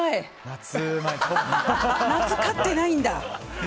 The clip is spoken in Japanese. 夏、勝ってないんだ。